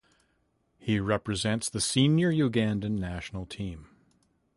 He represents the senior Ugandan national team.